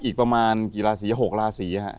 อีกประมาณกี่ราศี๖ราศีฮะ